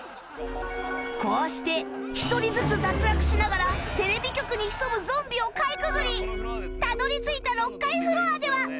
こうして一人ずつ脱落しながらテレビ局に潜むゾンビをかいくぐりたどり着いた６階フロアでは